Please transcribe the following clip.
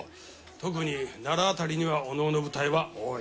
特に奈良辺りにはお能の舞台は多い。